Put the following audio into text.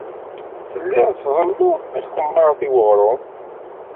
Telliḍ tḍelluḍ takemmart i weɣrum.